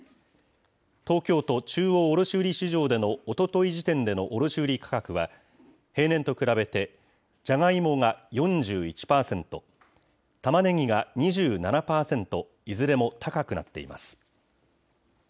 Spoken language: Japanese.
東京都中央卸売市場でのおととい時点での卸売価格は、平年と比べて、じゃがいもが４１％、たまねぎが２７％、いずれも高くなっています。